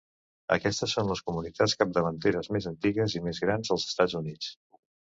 Aquestes són les comunitats capverdianes més antigues i més grans als Estats Units.